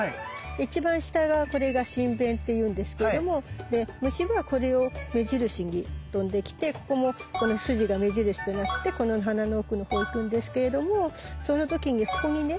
一番下がこれが唇弁って言うんですけれどもで虫はこれを目印に飛んできてここもこの筋が目印となってこの花の奥のほう行くんですけれどもその時にここにね